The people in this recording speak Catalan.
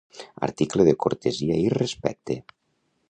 Article de cortesia i respecte.